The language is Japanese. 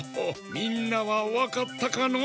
みんなはわかったかの？